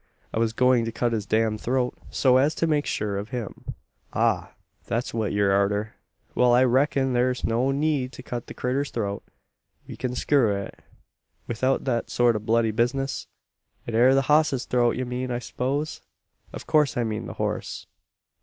I was going to cut his damned throat so as to make sure of him." "Ah, thet's what ye're arter. Wal, I reck'n thur's no need to cut the critter's throat. We kin skewer it 'ithout thet sort o' bloody bizness. It air the hoss's throat ye mean, I s'pose?" "Of course I mean the horse."